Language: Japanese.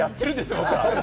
僕は。